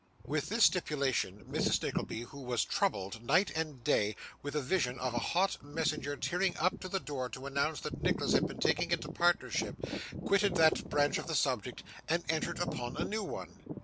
With this stipulation, Mrs. Nickleby, who was troubled, night and day, with a vision of a hot messenger tearing up to the door to announce that Nicholas had been taken into partnership, quitted that branch of the subject, and entered upon a new one.